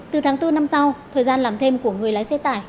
từ tháng bốn năm sau thời gian làm thêm của người lái xe tải